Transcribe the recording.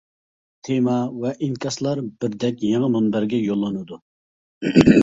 تېما ۋە ئىنكاسلار بىردەك يېڭى مۇنبەرگە يوللىنىدۇ.